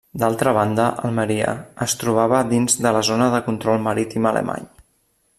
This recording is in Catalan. D'altra banda, Almeria es trobava dins de la zona de control marítim alemany.